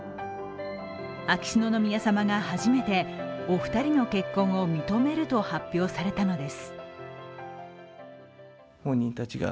秋篠宮さまが初めてお二人の結婚を認めると発表されたのです。